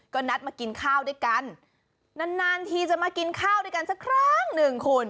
ก็นัดมากินข้าวด้วยกันนานนานทีจะมากินข้าวด้วยกันสักครั้งหนึ่งคุณ